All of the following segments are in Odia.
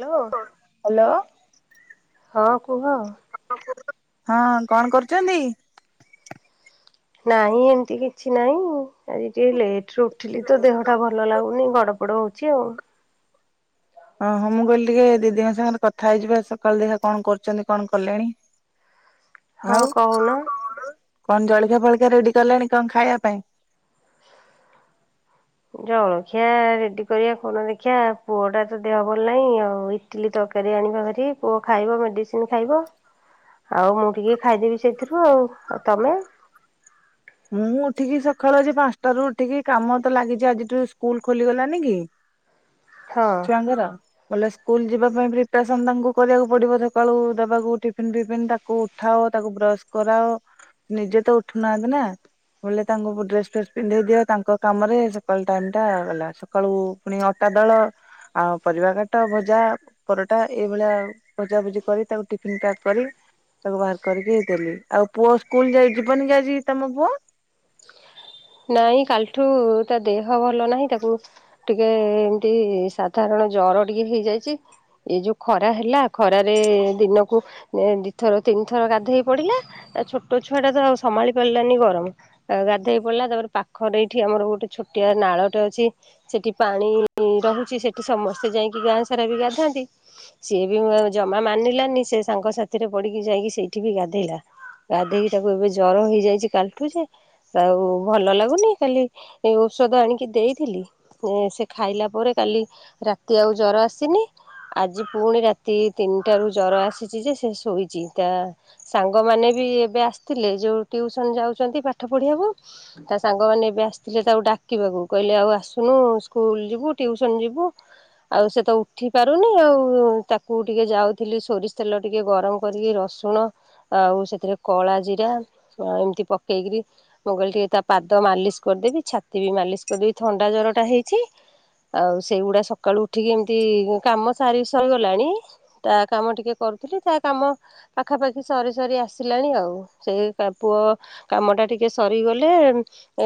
ହ୍ୟାଲୋ ହ୍ୟାଲୋ ହଁ କୁହ। ହଁ କଣ କରୁଛନ୍ତି? ନାଇଁ ଏମିତି କିଛି ନାହିଁ ଆଜି ଟିକେ ଲେଟ୍ ଲେଟ୍ ରେ ଉଠିଲି ତ ଦେହଟା ଭଲ ଲାଗୁନି ଗଡ଼ ପଡ଼ ହଉଛି ଆଉ। ଓ ହୋ ମୁଁ କହିଲି ଟିକେ ଦିଦିଙ୍କ ସାଙ୍ଗରେ କଥା ହେଇଯିବ ସକାଳୁ ଦେଖିବା କଣ କରୁଛନ୍ତି କଣ କଲେଣି। ହଁ ଆଉ କହୁନ। କଣ ଜଳଖିଆ ଫଳଖିଆ ରେଡି କଲେଣି କଣ ଖାଇବା ପାଇଁ? ଜଳଖିଆ ରେଡି କରିବା କଣ ଦେଖିଆ ପୁଅ ଟା ତ ଦେହ ଭଲ ନାହିଁ ଆଉ ଇ ଟିଲି ତରକାରୀ ଆଣିବା ଭାରି ପୁଅ ଖାଇବ ମେଡ଼ିସିନ ଖାଇବ। ଆଉ ମୁଁ ଟିକେ ଖାଇଦେବି ସେଇଥିରୁ ଆଉ ଆଉ ତମେ? ମୁଁ ଉଠିକି ସକାଳୁ ଆଜି ପାଞ୍ଚଟା ରୁ ଉଠିକି କାମ ତ ଲାଗିଚି ଆଜିଠୁ ସ୍କୁଲ ଖୋଲିଗଲାନି କି। ହଁ। ହଁ। ଛୁଆଙ୍କର। ବୋଲେ ସ୍କୁଲ ଯିବା ପାଇଁ ପ୍ରିପାରେସନ ତାଙ୍କୁ କରିବାକୁ ପଡିବ ସକାଳୁ ଦବାକୁ ଟିଫିନ ଫିଫନ୍ ତାକୁ। ଉଠାଅ ତାକୁ ବ୍ରଶ କରାଅ ନିଜେ ତ ଉଠୁନାହାନ୍ତି ନା। ବୁଲେ ତାଙ୍କୁ ଡ୍ରେସ ଫେସ୍ ପିନ୍ଧେଇ ଦିଅ ତାଙ୍କ କାମରେ ସକାଳୁ ଟାଇମ ଟା ଗଲା ସକାଳୁ। ପୁଣି ଅଟା ଦଳ ଆଉ ପରିବା କାଟ ଭଜା। ପରଟା ଏଇଭଳିଆ ଭଜାଭଜି କରି ତାକୁ ଟିଫିନ ପ୍ୟାକ୍ କରି। ତାକୁ ବାହାର କରିକି ହେଇ ଦେଲି ଆଉ ପୁଅ ସ୍କୁଲ ଯାଇ ଯିବନି କି ଆଜି ତମ ପୁଅ? ନାଇଁ କାଲିଠୁ ତା ଦେହ ଭଲ ନାହିଁ ତାକୁ। ଟିକେ ଏମତି ସାଧାରଣ ଜର ଟିକେ ହେଇଯାଇଚି। ଏଇ ଯୋଉ ଖରା ହେଲା ଖରାରେ ଦିନକୁ ଦିଥର ତିନି ଥର ଗାଧେଇ ପଡିଲା। ଆ ଛୋଟ ଛୁଆ ଟା ତ ଆଉ ସମ୍ଭାଳି ପାରିଲାନି ଗରମ ଆଉ ଗାଧେଇ ପଡିଲା ତାପରେ ପାଖରେ ଏଇଠି ଆମର ଗୋଟେ ଛୋଟିଆ ନାଳଟେ ଅଛି। ସେଠି ପାଣି ରହୁଚି ସେଠି ସମସ୍ତେ ଯାଇଙ୍କି ଗାଁ ସାରା ବି ଗାଧାନ୍ତି। ସିଏ ବି ମ ଜମା ମାନିଲାନି ସେ ସାଙ୍ଗ ସାଥିରେ ପଡ଼ିକି ଯାଇକି ସେଇଠି ବି ଗାଧେଇଲା। ଗାଧେଇକି ତାକୁ ଏବେ ଜର ହେଇଯାଇଛି କାଲଠୁ ଯେ ଆଉ। ଭଲ ଲାଗୁନି କାଲି ଏ ଔଷଧ ଆଣିକି ଦେଇଥିଲି। ଏ ସେ ଖାଇଲା ପରେ କାଲି ରାତି ଆଉ ଜର ଆସିନି। ଆଜି ପୁଣି ରାତି ତିନିଟାରୁ ଜର ଆସିଚି ଯେ ସେ ଶୋଇଚି ତା ସାଙ୍ଗମାନେ ବି ଏବେ ଆସିଥିଲେ ଯଉ ଟ୍ୟୁସନ୍ ଯାଉଚନ୍ତି ପାଠ ପଢ଼ିବାକୁ। ତା ସାଙ୍ଗମାନେ ଏବେ ଆସିଥିଲେ ତାକୁ ଡାକିବାକୁ କହିଲେ ଆଉ ଆସୁନୁ ସ୍କୁଲ ଯିବୁ ଟିଉସନ ଯିବୁ। ଆଉ ସେ ତ ଉଠି ପାରୁନି ଆଉ ତାକୁ ଟିକେ ଯାଉଥିଲି ସୋରିଷ ତେଲ ଟିକେ ଗରମ କରିକି ରସୁଣ। ଆଉ ସେଥିରେ କଳା ଜିରା ଏମିତି ପକେଇକିରି। ମୁଁ କହିଲି ଟିକେ ତା ପାଦ ମାଲିସ କରିଦେବି ଛାତି ବି ମାଲିସ କରିଦେବି ଥଣ୍ଡା ଜରଟା ହେଇଛି। ଆଉ ସେଇଗୁଡା ସକାଳୁ ଉଠିକି ଏମିତି କାମ ସାରି ସରିଗଲାଣି। ତା କାମ ଟିକେ କରୁଥିଲି ତା କାମ। ପାଖାପାଖି ସରି ସରି ଆସିଲାଣି ଆଉ ସେଇ କା ପୁଅ କାମଟା ଟି କେ ସରିଗଲେ।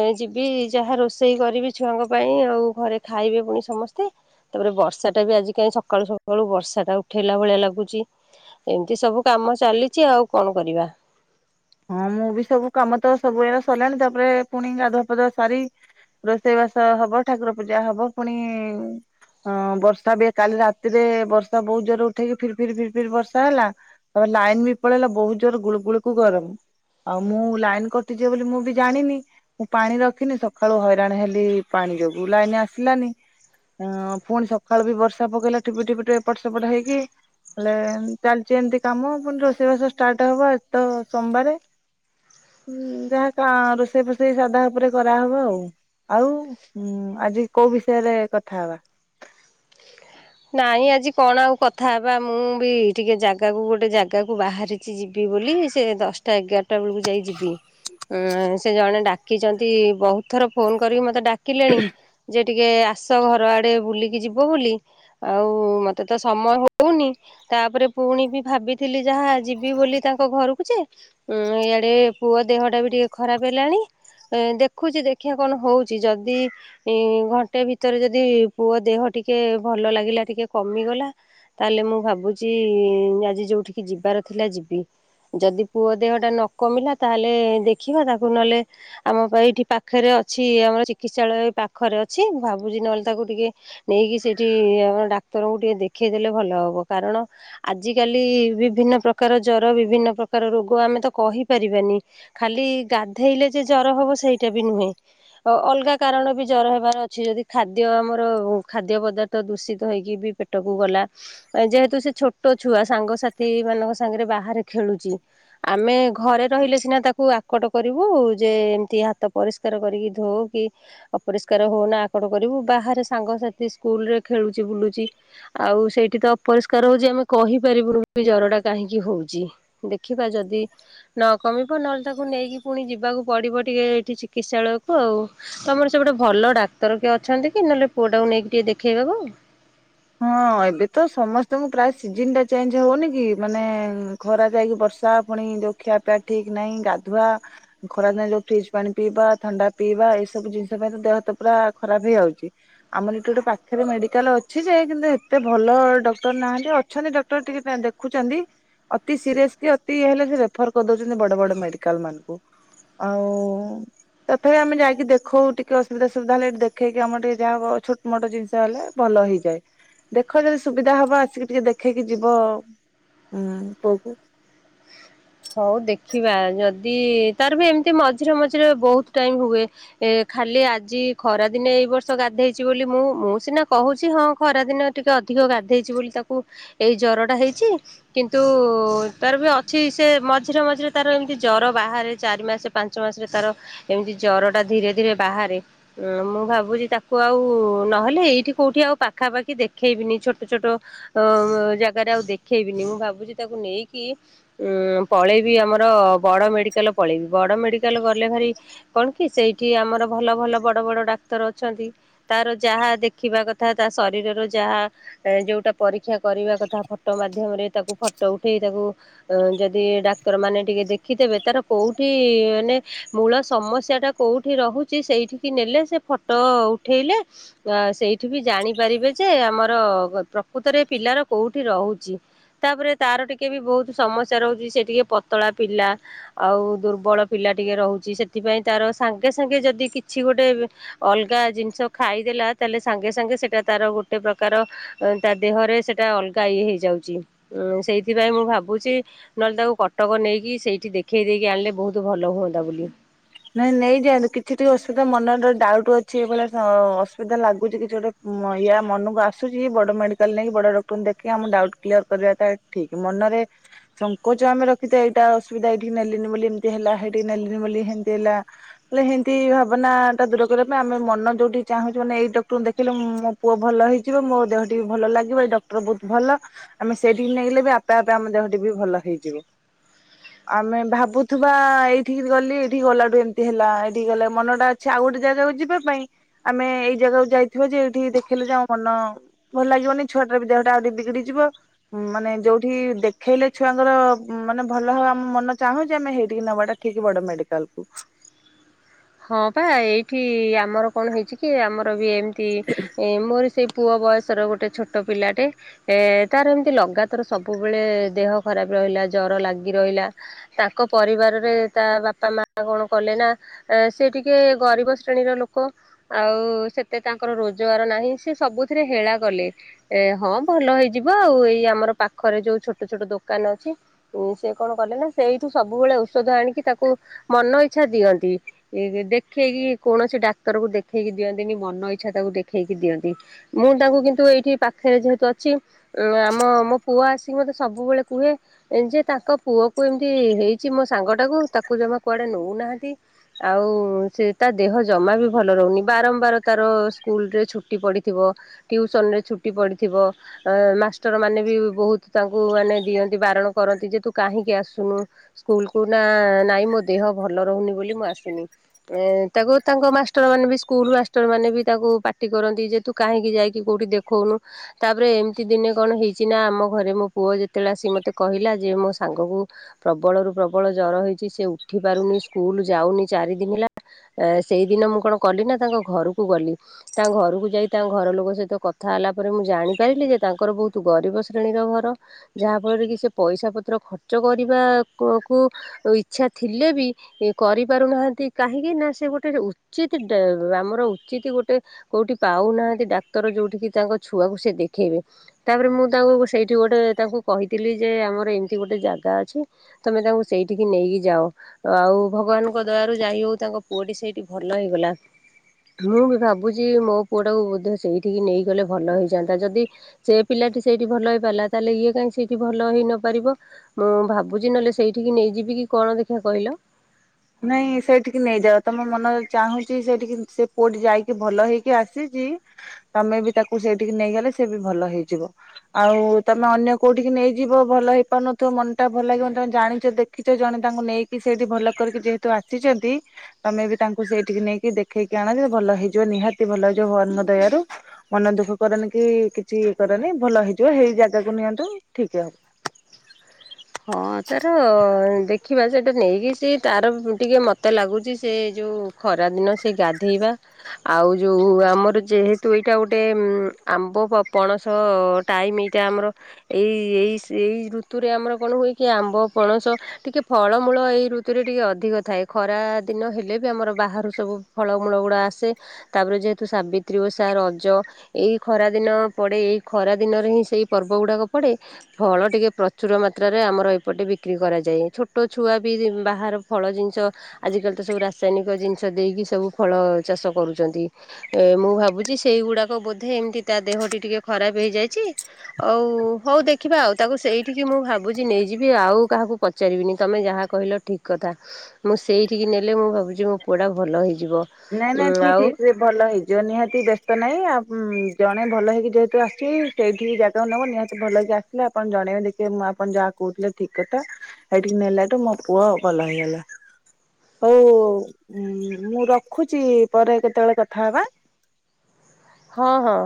ଏଁ ଯିବି ଯାହା ରୋଷେଇ କରିବି ଛୁଆଙ୍କ ପାଇଁ ଆଉ ଘରେ ଖାଇବେ ପୁଣି ସମସ୍ତେ। ତାପରେ ବର୍ଷା ଟା ବି ଆଜି କାଇଁ ସକାଳୁ ସକାଳୁ ବର୍ଷା ଟା ଉଠେଇଲା ଭଳିଆ ଲାଗୁଚି। ଏମିତି ସବୁ କାମ ଚାଲିଚି ଆଉ କଣ କରିବା। ହଁ ମୁଁ ବି ସବୁ କାମ ତ ସବୁ ଏରା ସଲାଣି ତାପରେ ପୁଣି ଗାଧୁଆ ପାଧୁଆ ସାରି। ରୋଷେଇବାସ ହବ, ଠାକୁର ପୂଜା ହବ ପୁଣି। ହଁ ବର୍ଷା ବି କାଲି ରାତିରେ ବର୍ଷା ବହୁତ ଜୋରରେ ଉଠେଇକି ଫିର ଫିରି ଫିର ଫିରି ବର୍ଷା ହେଲା। ତାପରେ ଲାଇନ ବି ପଳେଇଲା ବହୁତ ଜୋର ଗୁଳୁଗୁଳୁକୁ ଗରମ। ଆଉ ମୁଁ ଲାଇନ କଟିଯିବ ବୋଲି ମୁଁ ବି ଜାଣିନି। ମୁଁ ପାଣି ରଖିନି ସଖାଳୁ ହଇରାଣ ହେଲି ପାଣି ଯୋଗୁ ଲାଇନ ଆସିଲାନି। ହଁ ପୁଣି ସକାଳୁ ବି ବର୍ଷା ପକେଇଲା ଠିପି ଠିପି [unintelligible] ଏପଟ ସେପଟ ହେଇକି। ହେଲେ ଚାଲିଛି ଏମିତି କାମ, ପୁଣି ରୋଷେଇବାସ ଷ୍ଟାର୍ଟ ହବ, ଆଜି ତ ସୋମବାରେ। ହୁଁ, ଯାହା କା ରୋଷେଇ ଫୋଷେଇ ସାଧା ଉପରେ କରାହବ ଆଉ। ଆଉ, ଆଜି କୋଉ ବିଷୟରେ କଥା ହବା? ନାଇଁ ଆଜି କଣ ଆଉ କଥା ହେବା, ମୁଁ ବି ଟିକେ ଜାଗାକୁ ଗୋଟେ ଜାଗାକୁ ବାହାରି ଚି ଯିବି ବୋଲି, ସେ ଦଶଟା ଏଗାରଟା ବେଳକୁ ଯାଇ ଯିବି। ହୁଁ, ସେ ଜଣେ ଡାକିଚନ୍ତି, ବହୁତ ଥର ଫୋନ କରିକି ମତେ ଡାକ୍ କିଲେଣି, ଯେ ଟିକେ ଆସ ଘର ଆଡ଼େ ବୁଲିକି ଯିବ ବୋଲି ଆଉ ମତେ ତ ସମୟ ହଉନି ତାପରେ ପୁଣି ବି ଭାବିଥିଲି ଯାହା, ଯିବି ବୋଲି ତାଙ୍କ ଘରକୁ ଯେ ଉଁ ଇଆଡେ ପୁଅ ଦେହଟା ବି ଟିକେ ଖରାପ ହେଲାଣି ଏ ଦେଖୁଚି, ଦେଖିବା କଣ ହଉଚି ଯଦି ଏଇଁ ଘଣ୍ଟେ ଭିତରେ ଯଦି ପୁଅ ଦେହ ଟିକେ ଭଲ ଲାଗିଲା, ଟିକେ କମିଗଲା ତାହେଲେ ମୁଁ ଭାବୁଚି, ଆଜି ଯୋଉଠିକି ଯିବାର ଥିଲା ଯିବି। ଯଦି ପୁଅ ଦେହଟା ନ କମିଲା, ତାହେଲେ ଦେଖିବା, ତାକୁ ନହେଲେ ଆମ ପା ଏଇଠି ପାଖରେ ଅଛି, ଆମର ଚିକିତ୍ସାଳୟ ପାଖରେ ଅଛି, ଭାବୁଛି ନହେଲେ ତାକୁ ଟିକେ ନେଇକି ସେଇଠି ଆମର ଡାକ୍ତରଙ୍କୁ ଟିକେ ଦେଖେଇଦେଲେ ଭଲ ହବ, କାରଣ ଆଜିକାଲି ବିଭିନ୍ନ ପ୍ରକାର ଜର, ବିଭିନ୍ନ ପ୍ରକାର ରୋଗ, ଆମେ ତ କହିପାରିବାନି ଖାଲି ଗାଧେଇଲେ ଯେ, ଜର ହବ, ସେଇଟା ବି ନୁହେଁ। ଅ ଅଲଗା କାରଣ ବି ଜର ହେବାର ଅଛି, ଯଦି ଖାଦ୍ୟ ଆମର, ଖାଦ୍ୟ ପଦାର୍ଥ ଦୂଷି ତ ହେଇକି ବି ପେଟକୁ ଗଲା ଯେହେତୁ ସେ ଛୋଟ ଛୁଆ, ସାଙ୍ଗସାଥି ମାନଙ୍କ ସାଙ୍ଗରେ ବାହାରେ ଖେଳୁଚି ଆମେ ଘରେ ରହିଲେ ସିନା ତାକୁ ଆକଟ କରିବୁ, ଯେ ଏମିତି ହାତ ପରିଷ୍କା ର କରିକି ଧୋ, କି ଅପରିଷ୍କାର ହୋ ନା ଆକଟ କରିବୁ, ବାହାରେ ସାଙ୍ଗସାଥି ସ୍କୁଲ ରେ ଖେଳୁ ଚି ବୁଲୁଚି ଆଉ ସେଇଠି ତ ଅପରିଷ୍କାର ହଉଚି, ଆମେ କହିପାରିବୁ ଜର ଟା କାହିଁକି ହଉଚି? ଦେଖିବା ଯଦି ନ କମିବ, ନହେଲେ ତାକୁ ନେଇକି ପୁଣି ଯିବାକୁ ପଡିବ ଟିକେ, ଏଇଠି ଚିକିତ୍ସାଳୟକୁ ଆଉ। ତମର ସେ ପଟେ ଭଲ ଡାକ୍ତର କିଏ ଅଛନ୍ତି କି? ନହେଲେ ପୁଅ ଟାକୁ ନେଇକି ଟିକେ ଦେଖେଇବାକୁ। ହଁ, ଏବେ ତ ସମସ୍ତଙ୍କୁ, ପ୍ରାୟ ସିଜନ୍ ଟା ଚେଞ୍ଜ ହଉନି କି ମାନେ ଖରା ଯାଇକି ବର୍ଷା, ପୁଣି ଯଉ ଖିଆ ପିଆ ଠିକ ନାହିଁ, ଗାଧୁଆ ଖରାଦିନ ଯୋଉ ଫ୍ରିଜ୍ ପାଣି ପିଇବା, ଥଣ୍ଡା ପିଇବା, ଏସବୁ ଜିନିଷ ପାଇଁ ତ ଦେହ ତ ପୁରା ଖରାପ ହେଇଯାଉଚି। ଆମର ଏଠି ଗୋଟେ ପାଖରେ ମେଡିକାଲ ଅ ଛି ଯେ, କିନ୍ତୁ ଏତେ ଭଲ ଡକ୍ଟର ନାହାନ୍ତି, ଅଛନ୍ତି ଡକ୍ଟର ଟିକେ କ ଦେଖୁଚନ୍ତି। ଅତି ସିରିଏସ କି ଅତି ଇଏ ହେଲେ, ସେ ରେଫର କରିଦଉଛନ୍ତି ବଡ ବଡ ମେଡିକାଲ ମାନଙ୍କୁ। ଆଉ ତଥାପି ଆମେ ଯାଇକି ଦେଖଉ, ଟିକେ ଅସୁବିଧା ସୁବିଧା ହେଲେ, ଏ ଦେଖେଇକି ଆମ ଟିକେ ଯାହାବ ଛୋଟ ମୋଟ ଜିନିଷ ହେଲେ ଭଲ ହେଇ ଦେଖ ଯଦି ସୁବିଧା ହବ, ଆସିକି ଟିକେ ଦେଖେଇକି ଯିବ, ଉଁ ପୁଅକୁ। ହଉ ଦେଖିବା ଯଦି, ତାର ବି ଏମିତି ମଝିରେ ମଝିରେ ବହୁତ ଟାଇମ ହୁଏ। ଏ ଖାଲି ଆଜି ଖରାଦିନେ ଏଇ ବର୍ଷ ଗାଧେଇଛି ବୋଲି, ମୁଁ, ମୁଁ ସିନା କହୁଛି ହଁ ଖରାଦିନ ଟିକେ ଅଧିକ ଗାଧେଇଚି ବୋଲି ତାକୁ ଏଇ ଜର ଟା ହେଇଚି କିନ୍ତୁ ତାର ବି ଅଛି, ସେ ସେ ମଝିରେ ମଝିରେ ତାର ଏମିତି ଜର ବାହାରେ, ଚାରି ମାସ ପାଞ୍ଚ ମାସରେ ତାର ଏମିତି ଜର ଟା ଧୀରେ ଧୀରେ ବାହାରେ। ଅଁ ମୁଁ ଭାବୁଚି, ତାକୁ ଆଉ ନହେଲେ ଏଇଠି କୋଉଠି ଆଉ ପାଖାପାଖି ଦେଖେଇବିନି ଛୋଟ ଛୋଟ ଅ ଜାଗାରେ ଆଉ ଦେଖେଇବିନି, ମୁଁ ଭାବୁଚି ତାକୁ ନେଇକି ଉଁ ପଳେଇବି ଆମର ବଡ଼ ମେଡିକାଲ ପଳେଇବି, ବଡ ମେଡିକାଲ ଗଲେ ଭାରି କଣ କି ସେଇଠି ଆମର ଭଲ ଭଲ ବଡ ବଡ ଡାକ୍ତର ଅଛନ୍ତି। ତାର ଯାହା ଦେଖିବା କଥା ତା ଶରୀରର ଯାହା ଯୋଉଟା ପରୀକ୍ଷା କରିବା କଥା, ଫଟୋ ମାଧ୍ୟମରେ ତାକୁ ଫଟୋ ଉଠେଇ ତାକୁ ଯଦି ଡାକ୍ତର ମାନେ ଟିକେ ଦେଖିଦେବେ, ତାର କୋଉଠି ମାନେ ମୂଳ ସମସ୍ୟା ଟା କୋଉଠି ରହୁଛି ସେଇଠିକି ନେଲେ ସେ ଫଟୋ ଉଠେଇଲେ ସେଇଠି ବି ଜାଣିପାରିବେ ଯେ ଆମର ପ୍ରକୃତରେ ପିଲାର କୋଉଠି ରହୁଚି। ତାପରେ ତାର ଟିକେ ବି ବହୁତ ସମସ୍ୟା ରହୁଛି ସେ ଟିକେ ପତଳା ପିଲା। ଆଉ ଦୁର୍ବଳ ପିଲା ଟିକେ ରହୁଛି, ସେଥିପାଇଁ ତାର ସାଙ୍ଗେ ସାଙ୍ଗେ ଯଦି କିଛି ଗୋଟେ ଅଲଗା ଜିନିଷ ଖାଇଦେଲା, ତାହେଲେ ସାଙ୍ଗେ ସାଙ୍ଗେ ସେଟା ତାର ଗୋଟେ ପ୍ରକାର ତା ଦେହରେ ସେଟା ଅଲଗା ଇଏ ହେଇଯାଉଚି, ସେଇଥିପାଇଁ ମୁଁ ଭାବୁ ଚି ନହେଲେ ତାକୁ କଟକ ନେଇକି ସେଇଠି ଦେଖେଇ ଦେଇକି ଆଣିଲେ ବହୁତ ଭଲ ହୁଅନ୍ତା ବୋଲି। ନାଇଁ ନେଇଯାଆ କିଛି ଟିକେ ଅସୁବିଧା ମନରେ ଡାଉଟ ଅଛି, ଏଇ ଭଳିଆ ଅସୁବିଧା ଲାଗୁଛି କିଛି ଗୋଟେ ୟା ମନକୁ ଆସୁଛି ବଡ ମେଡିକାଲ ନେଇକି ବଡ ଡକ୍ଟରଙ୍କୁ ଦେଖି ଆମ ଡାଉଟ୍ କ୍ଲିୟର କରିବାଟା ଠିକ୍ ମନରେ ସଙ୍କୋଚ ଆମେ ରଖିତେ, ଏଇଟା ଅସୁବିଧା ଏଇଠି ନେଲିନି ବୋଲି ଏମିତି ହେଲା ହେଇଠି ନେଲିନି ବୋଲି ହେ ତି ହେଲା। ହେଲେ ହେଁତି ଭାବନା ଟା ଦୂର କରିବା ପାଇଁ, ଆମେ ମନ ଯୋଉଠି ଚାହୁଁଛୁ ମାନେ ଏଇ ଡକ୍ଟରଙ୍କୁ ଦେଖେଇଲେ ମୁଁ ପୁଅ ଭଲ ହେଇଯିବ ମୋ ଦେହଟି ବି ଭଲ ଲାଗିବ ଏଇ ଡକ୍ଟର ବହୁତ ଭଲ। ଆମେ ସେଇଠିକି ନେଲେ ବି ଆପେ ଆପେ ଆମ ଦେହଟି ବି ଭଲ ହେଇଯିବ। ଆମେ ଭାବୁଥିବା ଏଇଠିକି ଗଲି ଏଠି ଗଲାଠୁ ଏମିତି ହେଲା ଏଠି ଗଲେ ମନଟା ଅଛି ଆଉ ଗୋଟେ ଜାଗାକୁ ଯିବା ପାଇଁ। ଆମେ ଏଇ ଜାଗାକୁ ଯାଇଥିବା ଯେ ଏଠି ଦେଖେଇଲେ ଯେ ଆମ ମନ ଭଲ ଲାଗିବନି ଛୁଆଟାର ବି ଦେହଟା ଆହୁରି ବିଗିଡ଼ିଯିବ। ମାନେ ଯୋଉଠି ଦେଖେଇଲେ ଛୁଆଙ୍କର ମାନେ ଭଲ ହବ ଆମ ମନ ଚାହୁଁଛି ଆମେ ହେଇଠିକି ନବାଟା କି ବଡ ମେଡିକାଲ କୁ। ହଁ ପା ଏଇଠି ଆମର କଣ ହେଇଛି କି ଆମର ବି ଏମିତି ମୋର ସେ ପୁଅ ବୟସର ଗୋଟେ ଛୋଟ ପିଲାଟେ ଏ ତାର ଏମିତି ଲଗାତାର ସବୁବେଳେ ଦେହ ଖରାପ ରହିଲା ଜର ଲାଗି ରହିଲା। ତାଙ୍କ ପରିବାରରେ ତା ବାପା ମା କଣ କଲେ ନା ସେ ଟିକେ ଗରିବ ଶ୍ରେଣୀର ଲୋକ ଆଉ ସେତେ ତାଙ୍କର ରୋଜଗାର ନାହିଁ ସେ ସବୁଥିରେ ହେଳା କଲେ। ଏ ହଁ ଭଲ ହେଇଯିବ ଆଉ ଏଇ ଆମର ପାଖରେ ଯୋଉ ଛୋଟ ଛୋଟ ଦୋକାନ ଅଛି। ସେ କଣ କଲେ ନା ସେଇଠୁ ସବୁବେଳେ ଔଷଧ ଆଣିକି ତାକୁ ମନ ଇଚ୍ଛା ଦିଅନ୍ତି। ଦେଖେଇକି କୌଣସି ଡାକ୍ତର କୁ ଦେଖେଇକି ଦିଅନ୍ତିନି ମନ ଇଚ୍ଛା ତାକୁ ଦେଖେଇକି ଦିଅନ୍ତି। ମୁଁ ତାଙ୍କୁ କିନ୍ତୁ ଏଇଠି ପାଖରେ ଯେହେତୁ ଅଛି। ଉଁ ଆମ ମୋ ପୁଅ ଆସିକି ମତେ ସବୁବେଳେ କୁହେ ଏ ଯେ ତାଙ୍କ ପୁଅ କୁ ଏମିତି ହେଇଛି ମୋ ସାଙ୍ଗ ଟାକୁ ତାକୁ ଜମା କୁଆଡେ ନୋଉନାହାଁନ୍ତି ଆଉ ସେ ତା ଦେହ ଜମା ବି ଭଲ ରହୁନି ବାରମ୍ବାର ତାର ସ୍କୁଲରେ ଛୁଟି ପଡ଼ିଥିବ। ଟିଉସନ ରେ ଛୁଟି ପଡ଼ିଥିବ। ଅ ମାଷ୍ଟର ମାନେ ବି ବହୁତ ତାଙ୍କୁ ମାନେ ଦିଅନ୍ତି ବାରଣ କରନ୍ତି ଯେ ତୁ କାହିଁକି ଆସୁନୁ। ସ୍କୁଲ କୁ ନା ନାଇଁ ମୋ ଦେହ ଭଲ ରହୁନି ବୋଲି ମୁଁ ଆସୁନି। ଏ ତାକୁ ତାଙ୍କ ମାଷ୍ଟର ମାନେ ବି ସ୍କୁଲ ମାଷ୍ଟର ମାନେ ବି ତାଙ୍କୁ ପାର୍ଟି କରନ୍ତି ଯେ ତୁ କାହିଁକି ଯାଇକି କୋଉଠି ଦେଖ ଦେଖୋଉନୁ। ତାପରେ ଏମିତି ଦିନେ କଣ ହେଇଛି ନା ଆମ ଘରେ ମୋ ପୁଅ ଯେତେବେଳେ ଆସି ମତେ କହିଲା ଯେ ମୋ ସାଙ୍ଗକୁ ପ୍ରବଳ ରୁ ପ୍ରବଳ ଜର ହେଇଛି ସେ ଉଠି ପାରୁନି ସ୍କୁଲ ଯାଉନି ଚାରି ଦିନ ହେଲା। ଏ ସେଇଦିନ ମୁଁ କଣ କଲି ନା ତାଙ୍କ ଘରକୁ ଗଲି। ତାଙ୍କ ଘରକୁ ଯାଇ ତାଙ୍କ ଘର ଲୋକ ସହିତ କଥା ହେଲା ପରେ ମୁଁ ଜାଣିପାରିଲି ଯେ ତାଙ୍କର ବହୁତ ଗରିବ ଶ୍ରେଣୀର ଘର। ଯାହା ଫଳରେ କି ସେ ପଇସା ପତ୍ର ଖର୍ଚ୍ଚ କରିବା କୁ ଇଚ୍ଛା ଥିଲେ ବି କରି ପାରୁନାହାନ୍ତି କାହିଁକି ନା ସେ ଗୋଟେ ଉଚିତ ଆମର ଉଚିତ ଗୋଟେ କୋଉଠି ପାଉନାହାନ୍ତି ଡାକ୍ତର ଯୋଉଠି କିି ତାଙ୍କ ଛୁଆକୁ ସେ ଦେଖେଇବେ। ତାପରେ ମୁଁ ତାଙ୍କୁ ସେଇଠି ଗୋଟେ ତାଙ୍କୁ କହିଥିଲି ଯେ ଆମର ଏମିତି ଗୋଟେ ଜାଗା ଅଛି। ତମେ ତାଙ୍କୁ ସେଇଠିକି ନେଇକି ଯାଅ ଆଉ ଭଗବାନ ଙ୍କ ଦାରୁ ଯାଇ ହଉ ତାଙ୍କ ପୁଅଟି ସେଇଠି ଭଲ ହେଇଗଲା। ମୁଁ ବି ଭାବୁଛି ମୋ ପୁଅଟାକୁ ବ ସେଇଠିକି ନେଇଗଲେ ଭଲ ହେଇଯାଆନ୍ତା ଯଦି ସେ ପିଲାଟି ସେଇଠି ଭଲ ହେଇ ପାରିଲା ତାହେଲେ ଇଏ କାହିଁ ସେଇଠି ଭଲ ହେଇ ନ ପାରିବ। ମୁଁ ଭାବୁଛି ନହେଲେ ସେଇଠକି ନେଇଯିବି କି କଣ ଦେଖିବା କହିଲ। ନାଇଁ ସେଇଠିକି ନେଇଯାଅ ତମ ମନ ଚାହୁଁଛି ସେଠିକି ସେ ପୁଅଟି ଯାଇକି ଭଲ ହେଇକି ଆସିଛି। ତମେ ବି ତାକୁ ସେଇଠିକି ନେଇଗଲେ ସେ ବି ଭଲ ହେଇଯିବ। ଆଉ ତମେ ଅନ୍ୟ କୋଉଠିକି ନେଇଯିବ ଭଲ ହେଇ ପାରୁନଥିବ ମନ ଟା ଭଲ ଲାଗିବେ ତମେ ଜାଣିଛ ଦେଖ ଶିକ୍ିତ ଜଣେ ତାଙ୍କୁ ନେଇକି ସେଇଠି ଭଲ କରିକି ଯେହେତୁ ଆସିଛନ୍ତି ତମେ ବି ତାଙ୍କୁ ସେଇଠିକି ନେଇକି ଦେଖେଇକି ଆଣ ଭଲ ହେଇଯିବ ନିହାତି ଭଲ ହେଇଯିବ ଭଗବାନ ଙ୍କ ଦୟାରୁ। ମନ ଦୁଃଖ କରନି କି କିଛି କରନି ଭଲ ହେଇଯିବ ହେଇ ଜାଗାକୁ ନିଅନ୍ତୁ ଠିକ ହବ। ହଁ ତାର ଦେଖିବା ସେଟା ନେଇକି ସେ ତାର ଟିକେ ମତେ ଲାଗୁଛି ସେ ଯୋଉ ଖରାଦିନ ସେ ଗାଧୋଇବା ଆଉ ଯୋଉ ଆମର ଯେହେତୁ ଏଇଟା ଗୋଟେ ଆମ୍ବ ପଣସ ଟାଇମ୍ ଏଇଟା ଆମର ଏଇ ଏ ଏଇ ଋତୁରେ ଆମର କଣ ହୁଏ କି ଆମ୍ବ ପଣସ ଟିକେ ଫଳମୂଳ ଏଇ ଋତୁରେ ଟିକେ ଅଧିକ ଥାଏ ଖରା ଦିନ ହେଲେ ବି ଆମର ବାହାରୁ ସବୁ ଫଳମୂଳ ଗୁଡ଼ା ଆସେ ତାପରେ ଯେହେତୁ ସାବିତ୍ରୀ ଓଷା ରଜ ଏଇ ଖରା ଦିନ ପଡ଼େ ଏଇ ଖରା ଦିନରେ ହିଁ ସେଇ ପର୍ବ ଗୁଡ଼ାକ ପଡ଼େ ଫଳ ଟିକେ ପ୍ରଚୁର ମାତ୍ର କ୍ଷେତ୍ରରେ ଆମର ଏପଟେ ବିକ୍ରି କରାଯାଏ ଛୋଟ ଛୁଆ ବି ବାହାର ଫଳ ଜିନିଷ ଆଜିକାଲି ତ ସବୁ ରାସାୟନିକ ଜିନିଷ ଦେଇକି ସବୁ ଫଳ ଚାଷ କରୁଛନ୍ତି। ଏ ମୁଁ ଭାବୁଛି ସେଇଗୁଡାକ ବୋଧେ ଏମିତି ତା ଦେହଟି ଟିକେ ଖରାପ ହେଇଯାଇଛି। ହଉ ହଉ ଦେଖିବା ଆଉ ତାକୁ ସେଇଠିକି ମୁଁ ଭାବୁ ବୁଝି ନେଇଯିବି ଆଉ କାହାକୁ ପଚାରିବିନି ତମେ ଯାହା କହିଲ ଠିକ କଥା। ମୁଁ ସେଇଠିକି ନେଲେ ମୁଁ ଭାବୁଛି ମୋ ପୁଡା ଭଲ ହେଇଯିବଁ ନାଇଁ ନାଇଁ ଠିକ ଆଉ। ଠିକ ସେ ଭଲ ହେଇଯିବ ନିହାତି ବ୍ୟସ୍ତ ନାହିଁ ଆଉ ଜଣେ ଭଲ ହେଇକି ଯେହେତୁ ଆସିବ ସେଇଠିକି ଜାଗାକୁ ନବ ନିହାତି ଭଲ ହେି ଆସିଲ ଆପଣ ଜଣେଇବେ ଦେଖେ ମୁଁ ଆପଣ ଯାହା କହୁଥିଲେ ଠିକ କଥା। ଏଠିକି ନେଲାଠୁ ମୋ ପୁଅ ଭଲ ହେଇଗଲା ହଉ ମୁଁ। ରଖୁଛି ପରେ କେତେବେଳେ କଥା ହେବା। ହଁ ହଁ।